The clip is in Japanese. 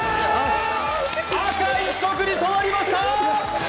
赤一色に染まりました！